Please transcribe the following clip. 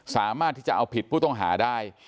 สามารถที่จะเอาผิดผู้ต้องหาได้